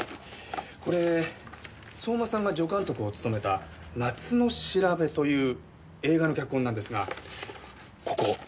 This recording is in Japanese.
これ相馬さんが助監督を務めた『夏のしらべ』という映画の脚本なんですがここ。